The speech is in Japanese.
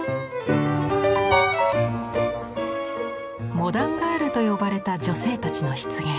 モダンガールと呼ばれた女性たちの出現。